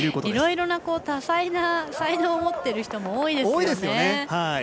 いろいろな多彩な才能を持っている人も多いですね。